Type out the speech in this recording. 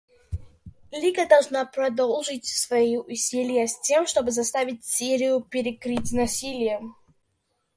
Лига должна продолжить свои усилия, с тем чтобы заставить Сирию прекратить насилие.